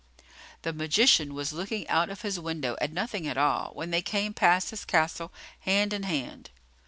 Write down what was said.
The magician was looking out of his window at nothing at all, when they came past his castle, hand in hand.